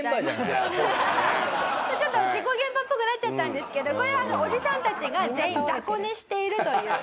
ちょっと事故現場っぽくなっちゃったんですけどこれはおじさんたちが全員雑魚寝しているという。